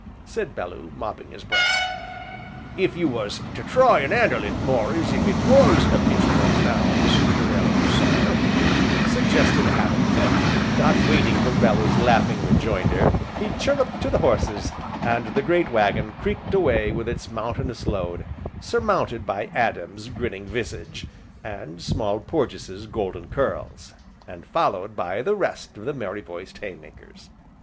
said Bellew, mopping his brow. "If you was to try an' 'andle it more as if it was a pitchfork now, Mr. Belloo, sir " suggested Adam, and, not waiting for Bellew's laughing rejoinder, he chirrupped to the horses, and the great waggon creaked away with its mountainous load, surmounted by Adam's grinning visage, and Small Porges' golden curls, and followed by the rest of the merry voiced hay makers.